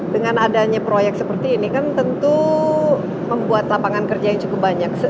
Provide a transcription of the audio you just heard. dengan adanya proyek seperti ini kan tentu membuat lapangan kerja yang cukup banyak